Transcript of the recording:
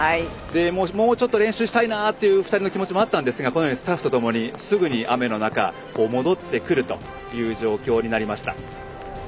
もうちょっと練習したいなという２人の気持ちもあったんですがスタッフと共にすぐに雨の中を戻ってくる状況になりました。